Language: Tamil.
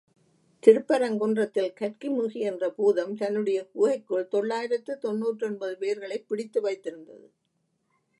திருப்பரங்குன்றத்தில் கற்கிமுகி என்ற பூதம், தன்னுடைய குகைக்குள் தொள்ளாயிரத்து தொன்னூற்றொன்பது பேர்களைப் பிடித்து வைத்திருந்தது.